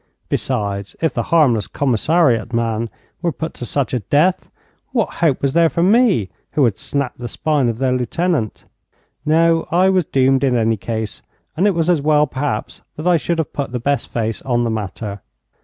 Besides, if the harmless commissariat man were put to such a death, what hope was there for me, who had snapped the spine of their lieutenant? No, I was doomed in any case, and it was as well perhaps that I should have put the best face on the matter.